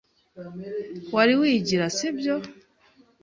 Wari wigira, si byo?